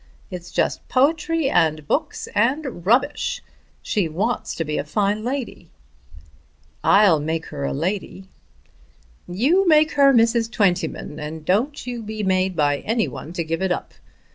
It's just poetry and books and rubbish. She wants to be a fine lady." "I'll make her a lady." "You make her Mrs. Twentyman, and don't you be made by any one to give it up.